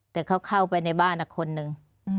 แต่เขาเข้าไปในบ้านคนหนึ่ง